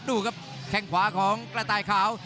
ดูครับแข้งขวาของกระต่ายขาว